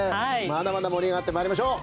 まだまだ盛り上がってまいりましょう。